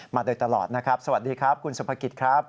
มาโดยตลอดนะครับสวัสดีครับคุณสุภกิจครับ